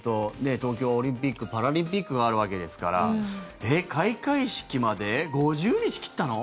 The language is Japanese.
東京オリンピック・パラリンピックがあるわけですから開会式まで５０日切ったの？